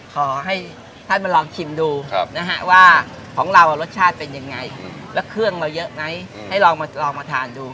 ขอให้ท่านมาลองชิมดูนะฮะว่าของเรารสชาติเป็นยังไงแล้วเครื่องเราเยอะไหมให้ลองมาลองมาทานดู